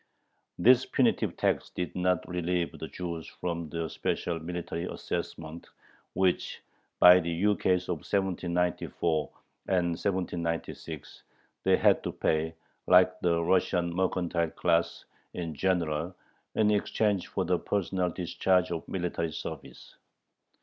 This punitive tax did not relieve the Jews from the special military assessment, which, by the ukases of 1794 and 1796, they had to pay, like the Russian mercantile class in general, in exchange for the personal discharge of military service.